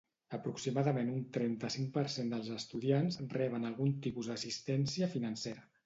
Aproximadament un trenta-cinc per cent dels estudiants reben algun tipus d'assistència financera.